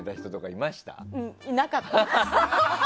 いなかった。